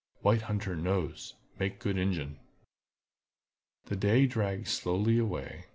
"White hunter knows! Make good Ingen!" The day dragged slowly away.